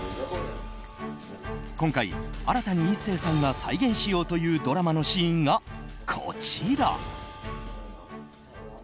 今回、新たに壱成さんが再現しようというドラマのシーンが、こちら。